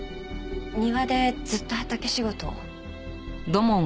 庭でずっと畑仕事を。